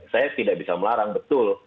saya tidak bisa melarang betul